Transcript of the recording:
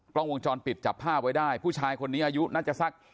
กล้องวงจรปิดจับภาพไว้ได้ผู้ชายคนนี้อายุน่าจะสัก